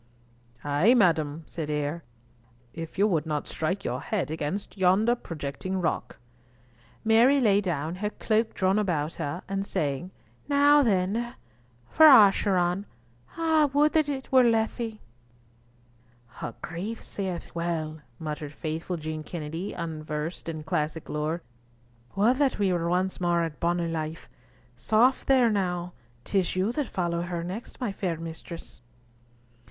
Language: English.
"Ay, madam," said Eyre, "if you would not strike your head against yonder projecting rock." Mary lay down, her cloak drawn about her, and saying, "Now then, for Acheron. Ah! would that it were Lethe!" "Her Grace saith well," muttered faithful Jean Kennedy, unversed in classic lore, "would that we were once more at bonnie Leith. Soft there now, 'tis you that follow her next, my fair mistress."